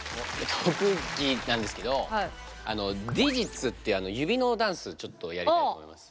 特技なんですけどディジッツっていう指のダンスちょっとやりたいと思います。